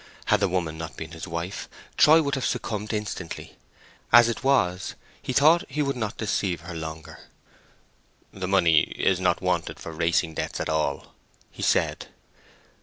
Had the woman not been his wife, Troy would have succumbed instantly; as it was, he thought he would not deceive her longer. "The money is not wanted for racing debts at all," he said.